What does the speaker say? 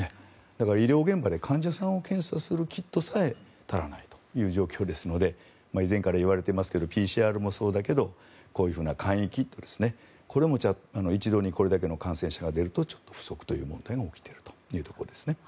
だから医療現場で患者さんを検査するキットさえ足りないという状況ですので以前から言われていますがＰＣＲもそうだけどこういう簡易キットですねこれも一度にこれだけの感染者が出るとちょっと不足という問題が起きているということです。